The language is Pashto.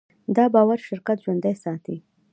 دا باور شرکت ژوندی ساتي.